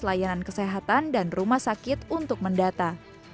layanan kesehatan dan rumah sakit untuk mendata